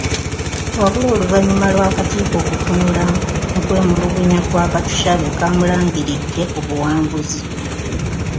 Wabula oluvanyuma lw' akakiiko okutunula mukwemulugunya kwa Katushabe kamulangiriddde ku buwanguzi